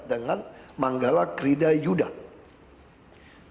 dengan manggala kridayudha